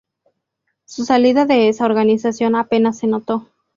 Su salida de esa organización apenas se notó.